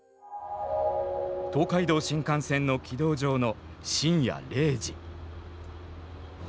東海道新幹線の軌道上の深夜０時。